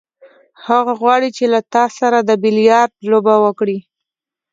هغه غواړي چې له تا سره د بیلیارډ لوبه وکړي.